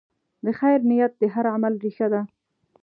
د خیر نیت د هر عمل ریښه ده.